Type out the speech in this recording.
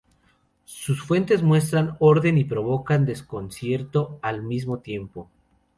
Sus fuentes muestran orden y provocan desconcierto al mismo tiempo.